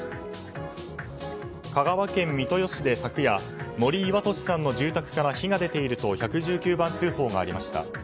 香川県三豊市で昨夜森岩年さんの住宅から火が出ていると１１９番通報がありました。